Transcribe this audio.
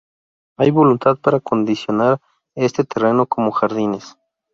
Hay voluntad para acondicionar este terreno como jardines.